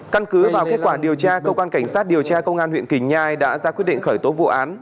căn cứ vào kết quả điều tra cơ quan cảnh sát điều tra công an huyện quỳnh nhai đã ra quyết định khởi tố vụ án